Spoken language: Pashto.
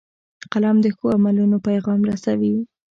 قلم د ښو عملونو پیغام رسوي